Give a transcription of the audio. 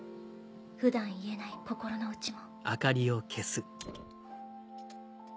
普段言えない心の内も。